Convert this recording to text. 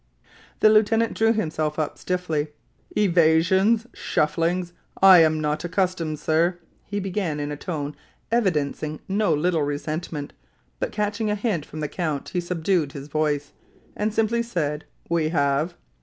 The lieutenant drew himself up stiffly. "Evasions! shufflings! I am not accustomed, sir " he began in a tone evidencing no little resentment; but catching a hint from the count he subdued his voice, and simply said, "We have."